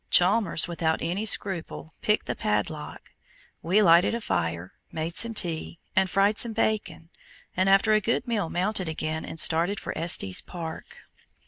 Chalmers without any scruple picked the padlock; we lighted a fire, made some tea, and fried some bacon, and after a good meal mounted again and started for Estes Park.